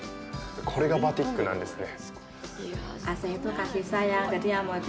これがバティックなんですね。